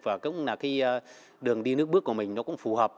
và cái đường đi nước bước của mình nó cũng phù hợp